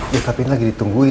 ya tapi ini lagi ditungguin